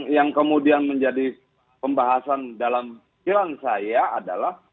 yang kemudian menjadi pembahasan dalam pikiran saya adalah